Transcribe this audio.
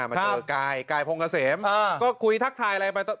ครับมาเจอกายกายพงเกษมอ่าก็คุยทักทายอะไรไปต่อ